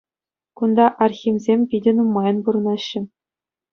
Кунта Архимсем питӗ нумайӑн пурӑнаҫҫӗ.